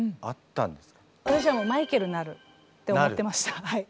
私はもうマイケルになるって思ってました。